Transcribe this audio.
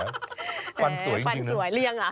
ฟันสวยจริงฟันสวยเลี่ยงหรอ